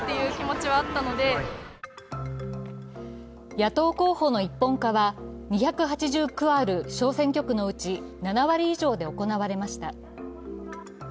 野党候補の一本化は２８９ある小選挙区のうち７割以上で行われました。